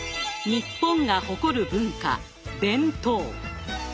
日本が誇る文化弁当。